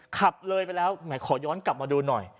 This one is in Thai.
ขับเลยไปแล้วแหมขอย้อนกลับมาดูหน่อย